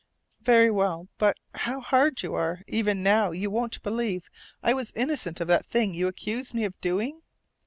"Very well. But how hard you are! Even now, you won't believe I was innocent of that thing you accused me of doing?"